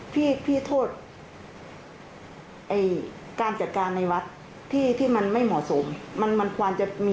พี่โทษการจัดการในวัดที่มันไม่เหมาะสม